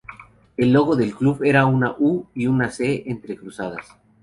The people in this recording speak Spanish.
El logo del club era una U y una C entrecruzadas.